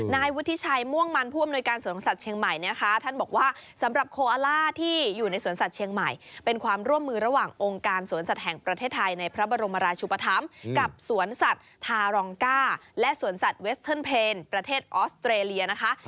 นายวุฒิชัยม่วงมันผู้อำนวยการสวนสัตว์เชียงใหม่นะคะท่านบอกว่าสำหรับโคอาล่าที่อยู่ในสวนสัตว์เชียงใหม่เป็นความร่วมมือระหว่างองค์การสวนสัตว์แห่งประเทศไทยในพระบรมราชุปธรรมกับสวนสัตว์ทารองก้าและสวนสัตว์เวสเทิร์นเพลประเทศออสเตรเลียนะคะ